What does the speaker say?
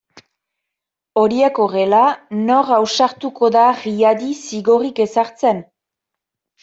Horiek horrela, nor ausartuko da Riadi zigorrik ezartzen?